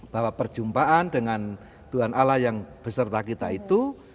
bahwa perjumpaan dengan tuhan allah yang beserta kita itu